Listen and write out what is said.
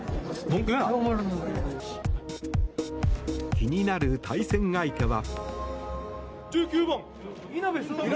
気になる対戦相手は。